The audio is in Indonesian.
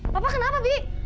bapak kenapa bi